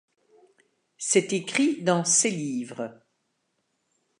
C'est écrit dans ses livres.